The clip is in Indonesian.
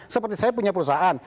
seperti saya punya perusahaan